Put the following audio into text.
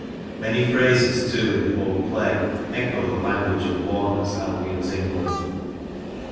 Many phrases, too, in the old play echo the language of Warner's Albion s England.'